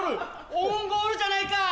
オウンゴールじゃないか！